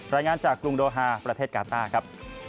รายงานจากกรุงโดฮาประเทศกาต้าครับ